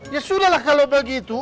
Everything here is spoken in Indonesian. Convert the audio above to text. ya sudahlah kalau begitu